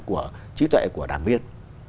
của trí tuệ của đảng viên